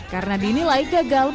karena dinilai gagal mengatasi banjir